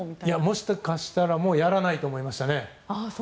もしかしたらもやらないと思いましたね。